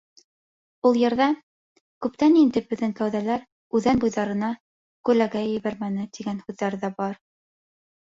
Ул йырҙа «Күптән инде беҙҙең кәүҙәләр үҙән буйҙарына күләгә ебәрмәне...» тигән һүҙҙәр ҙә бар.